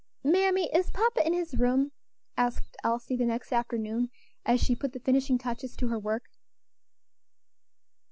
"Mammy, is papa in his room?" asked Elsie, the next afternoon, as she put the finishing touches to her work.